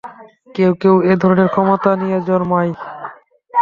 কেউ-কেউ এ-ধরনের ক্ষমতা নিয়ে জন্মায়।